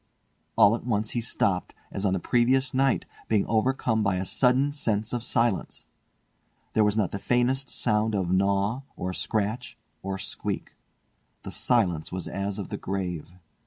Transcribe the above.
All at once he stopped, as on the previous night, being overcome by a sudden sense of silence. There was not the faintest sound of gnaw, or scratch, or squeak. The silence was as of the grave.